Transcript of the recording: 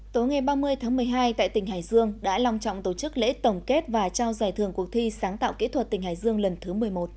tối ngày ba mươi tháng một mươi hai tại tỉnh hải dương đã lòng trọng tổ chức lễ tổng kết và trao giải thưởng cuộc thi sáng tạo kỹ thuật tỉnh hải dương lần thứ một mươi một